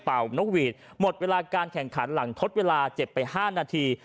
นกหวีดหมดเวลาการแข่งขันหลังทดเวลาเจ็บไป๕นาที